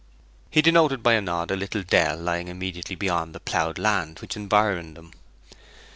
He denoted by a nod a little dell lying immediately beyond the ploughed land which environed them.